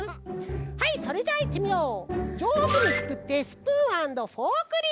はいそれじゃあいってみよう！